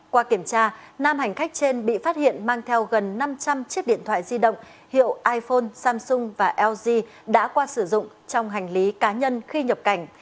qua kiểm tra nam hành khách trên bị phát hiện mang theo gần năm trăm linh chiếc điện thoại di động hiệu iphone samsung và lg đã qua sử dụng trong hành lý cá nhân khi nhập cảnh